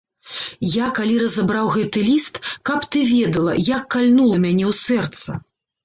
Я калі разабраў гэты ліст, каб ты ведала, як кальнула мяне ў сэрца.